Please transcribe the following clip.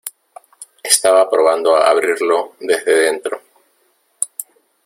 estaba probando a abrirlo desde dentro.